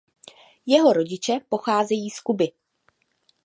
Jeho rodiče pocházejí z Kuby.